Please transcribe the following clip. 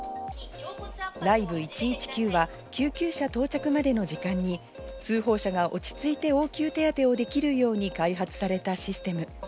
Ｌｉｖｅ１１９は救急車到着前の時間に通報者が落ち着いて応急手当をできるように開発されたシステム。